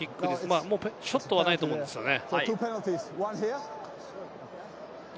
ショットはないと思うんですよね。